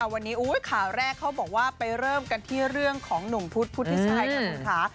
วันนี้ข่าวแรกเขาบอกว่าไปเริ่มกันที่เรื่องของหนุ่มพุธพุทธิชัยค่ะคุณค่ะ